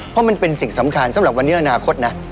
เพราะมันเป็นสิ่งสำคัญสำหรับวันนี้อนาคตนะ